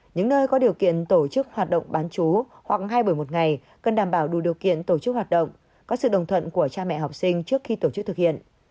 những nơi có điều kiện tổ chức hoạt động bán chú hoặc hai buổi một ngày cần đảm bảo đủ điều kiện tổ chức hoạt động có sự đồng thuận của cha mẹ học sinh trước khi tổ chức thực hiện